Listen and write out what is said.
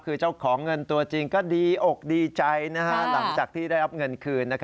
คือเจ้าของเงินตัวจริงก็ดีอกดีใจหลังจากที่ได้รับเงินคืน